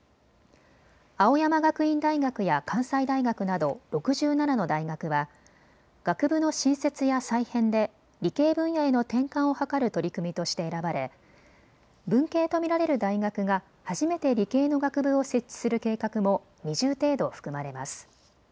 青山学院大学や関西大学など６７の大学は学部の新設や再編で理系分野への転換を図る取り組みとして選ばれ文系と見られる大学が初めて理系の学部を設置する計画も２０程度、含まれます。